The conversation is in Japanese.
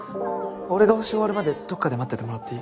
俺が補習終わるまでどっかで待っててもらっていい？